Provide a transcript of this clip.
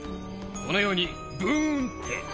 このようにブンって。